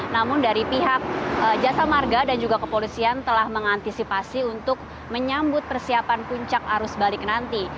namun dari pihak jasa marga dan juga kepolisian telah mengantisipasi untuk menyambut persiapan puncak arus balik nanti